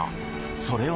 それは。